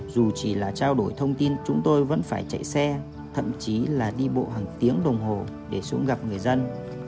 dù chỉ là trao đổi thông tin chúng tôi vẫn phải chạy xe thậm chí là đi bộ hàng tiếng đồng hồ để xuống gặp người dân